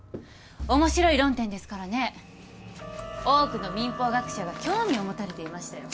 面白い論点ですからね多くの民法学者が興味を持たれていましたよ。